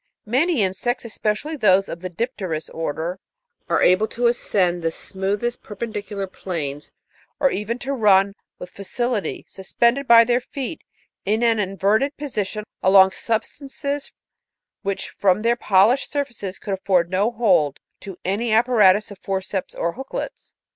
" Many insects, especially those of the dipterous order, are able to ascend the smoothest perpendicular planes, or even to run with facility, suspended by their feet, in an inverted position, along substances which, from their polished surfaces, could afibrd no hold to any apparatus of forceps or hook lets.